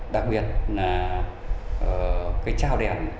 đặc biệt là cái trao đèn